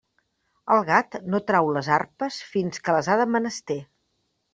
El gat no trau les arpes fins que les ha de menester.